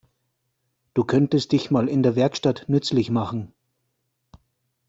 Du könntest dich mal in der Werkstatt nützlich machen.